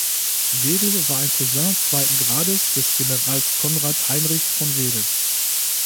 Wedel war ein Cousin zweiten Grades des Generals Konrad Heinrich von Wedel.